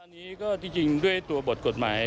อันนี้ก็ที่จริงด้วยตัวบทกฎหมาย